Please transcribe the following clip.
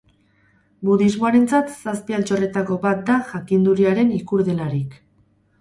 Budismoarentzat zazpi altxorretako bat da, jakinduriaren ikur delarik.